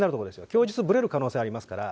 供述、ぶれる可能性ありますから。